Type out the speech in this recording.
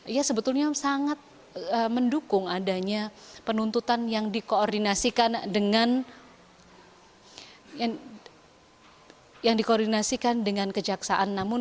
ia sebetulnya sangat mendukung adanya penuntutan yang dikoordinasikan dengan kejaksaan